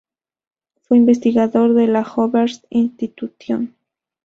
Fue investigador en la "Hoover Institution".